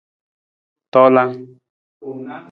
Tolang.